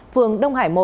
phường đông hải một